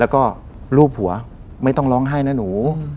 แล้วก็รูปหัวไม่ต้องร้องไห้นะหนู